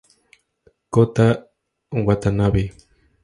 Kota Watanabe